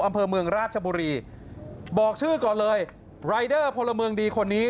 อำเภอเมืองราชบุรีบอกชื่อก่อนเลยรายเดอร์พลเมืองดีคนนี้